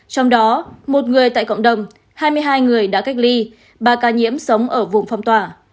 trong đó một người tại cộng đồng hai mươi hai người đã cách ly ba ca nhiễm sống ở vùng phong tỏa